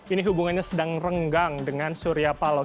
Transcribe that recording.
ini hubungannya sedang renggang dengan surya paloh